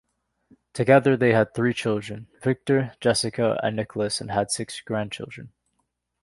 Together they had three children, Victor, Jessica, and Nicholas and six grandchildren.